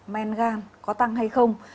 men gan có tăng hay không